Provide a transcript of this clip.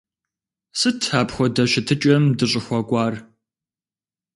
Сыт апхуэдэ щытыкӀэм дыщӀыхуэкӀуар?